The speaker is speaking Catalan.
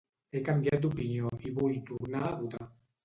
He canviat d'opinió i vull tornar a votar